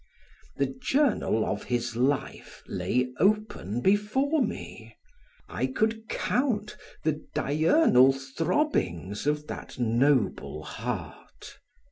The journal of his life lay open before me; I could count the diurnal throbbings of that noble heart.